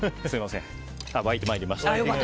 沸いてまいりました。